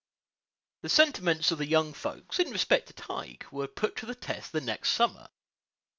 The sentiments of the young folks, in respect to Tige, were put to the test the next summer.